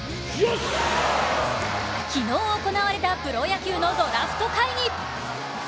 昨日行われたプロ野球のドラフト会議。